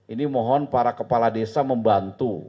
ini mohon para kepala desa membantu